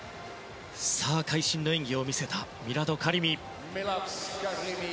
会心の演技を見せたミラド・カリミ。